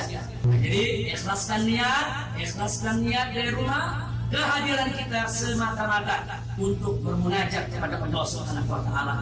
jadi islaskan niat islaskan niat dari rumah kehadiran kita semata mata untuk bermunajat kepada allah swt